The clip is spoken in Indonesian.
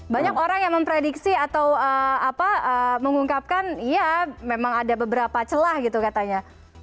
banyak orang yang memprediksi atau mengungkapkan ya memang ada beberapa celah gitu katanya